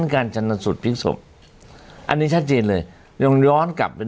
การจรรย์สูตรพิกษบอันนี้ชัดเจนเลยยำน้อยร้อนกลับเป็น